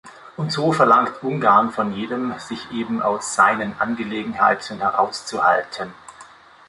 Und so verlangt Ungarn von jedem, sich eben aus seinen Angelegenheiten herauszuhalten.